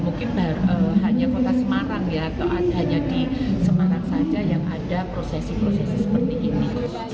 mungkin hanya kota semarang ya atau hanya di semarang saja yang ada prosesi prosesi seperti ini